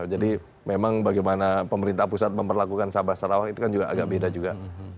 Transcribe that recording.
jadi memang bagaimana pemerintah pusat memperlakukan sabah sarawak itu kan juga agak beda juga